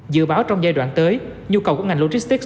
dự báo trong giai đoạn tới nhu cầu của ngành logistics